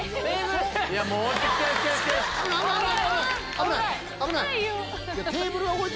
危ない！